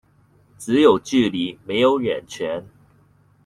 只有距離沒有遠傳